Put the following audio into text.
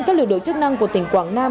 các lực lượng chức năng của tỉnh quảng nam